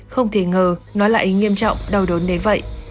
không thể ngờ nó lại nghiêm trọng đau đốn đến vậy